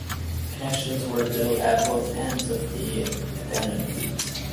Connections were built at both ends of the abandonment.